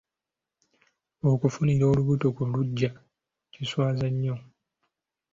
Okufunira olubuto ku luggya kiswaza nnyo.